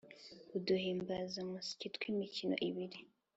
uduhimbazamusyi tw’imikino ibiri